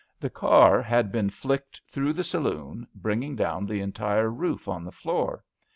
The car had been flicked through the saloon, bringing down the entire roof on the floor.